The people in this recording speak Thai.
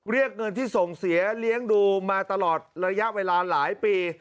เรียกเงินที่ส่งเสียเลี้ยงดูมาตลอดระยะเวลาหลายปี